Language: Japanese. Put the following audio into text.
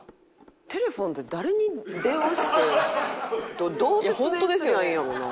テレフォンって誰に電話してどう説明すればええんやろうな。